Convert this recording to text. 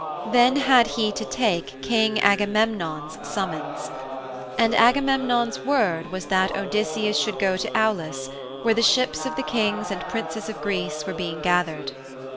Then had he to take King Agamemnon's summons. And Agamemnon's word was that Odysseus should go to Aulis where the ships of the Kings and Princes of Greece were being gathered.